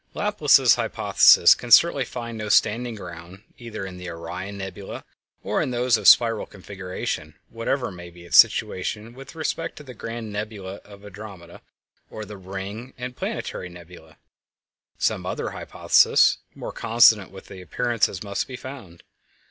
Laplace's hypothesis can certainly find no standing ground either in the Orion Nebula or in those of a spiral configuration, whatever may be its situation with respect to the grand Nebula of Andromeda, or the "ring" and "planetary" nebulæ. Some other hypothesis more consonant with the appearances must be found.